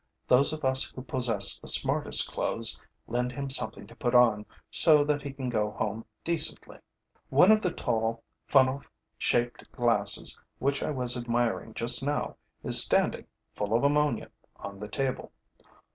Those of us who possess the smartest clothes lend him something to put on so that he can go home decently. One of the tall, funnel shaped glasses which I was admiring just now is standing, full of ammonia, on the table.